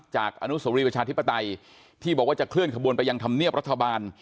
อนุโสรีประชาธิปไตยที่บอกว่าจะเคลื่อนขบวนไปยังธรรมเนียบรัฐบาล